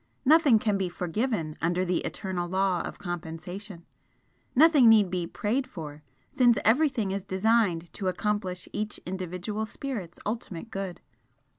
Nothing can be 'forgiven' under the eternal law of Compensation, nothing need be 'prayed for,' since everything is designed to accomplish each individual spirit's ultimate good.